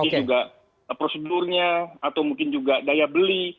mungkin juga prosedurnya atau mungkin juga daya beli